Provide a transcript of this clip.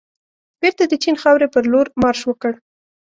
بېرته د چین خاورې پرلور مارش وکړ.